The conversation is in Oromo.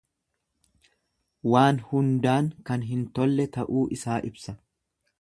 Waan hundaan kan hin tolle ta'uu isaa ibsa.